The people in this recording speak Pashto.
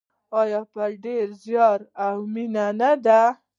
آیا په ډیر زیار او مینه نه دی؟